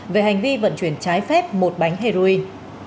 về hành vi vận chuyển trái phép một bánh heroin